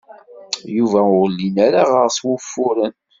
Yuba ur llin ara ɣer-s wufuren.